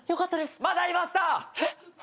・まだいました！